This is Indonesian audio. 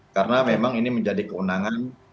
karena memang ini menjadi keunangan